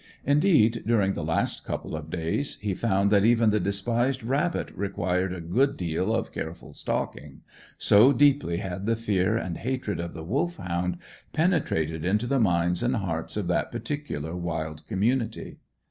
Indeed, during the last couple of days he found that even the despised rabbit required a good deal of careful stalking, so deeply had the fear and hatred of the Wolfhound penetrated into the minds and hearts of that particular wild community.